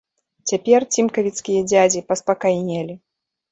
Цяпер цімкавіцкія дзядзі паспакайнелі.